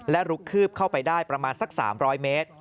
และลุกคืบเข้าไปได้ประมาณสัก๓๐๐เมตร